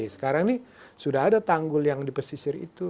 sekarang ini sudah ada tanggul yang dipesisir itu